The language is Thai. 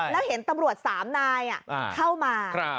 แล้วเห็นตำรวจ๓นายเข้ามา